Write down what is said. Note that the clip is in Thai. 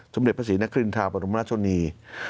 สมเด็จพระศรีนักกริณภาพบรมราชนี